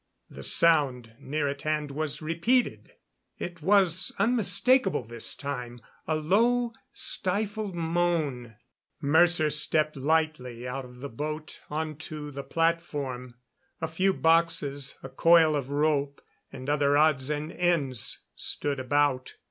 The sound near at hand was repeated. It was unmistakable this time a low, stifled moan. Mercer stepped lightly out of the boat onto the platform. A few boxes, a coil of rope, and other odds and ends stood about.